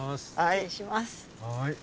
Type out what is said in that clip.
失礼します。